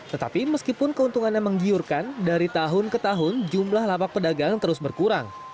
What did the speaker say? tetapi meskipun keuntungannya menggiurkan dari tahun ke tahun jumlah lapak pedagang terus berkurang